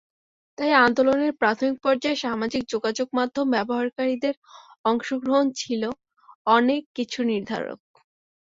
তাই আন্দোলনের প্রাথমিক পর্যায়ে সামাজিক যোগাযোগমাধ্যম ব্যবহারকারীদের অংশগ্রহণ ছিল অনেক কিছুর নির্ধারক।